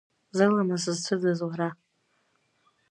Зыламыс зцәыӡыз уара!